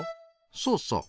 そうそう。